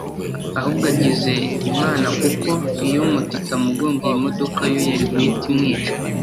ahubwo agize Imana kuko iyo moto itamugonga iyi modoka yo yari guhita imwica